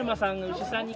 牛さんだ！